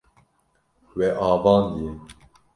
We avandiye.